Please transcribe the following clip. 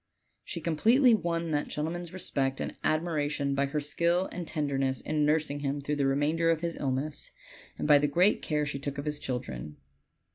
She completely Avon that gentleman's respect and admiration by her skill and tenderness in nursing him during the remainder of his illness, and by the great care she took of his children.